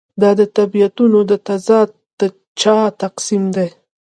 دا د طبیعتونو تضاد د چا تقسیم دی.